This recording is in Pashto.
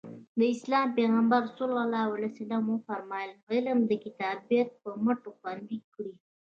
د اسلام پیغمبر ص وفرمایل علم د کتابت په مټ خوندي کړئ.